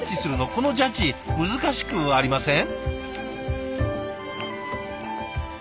このジャッジ難しくありません？